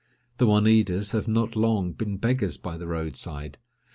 The Oneidas have not long been beggars by the road side.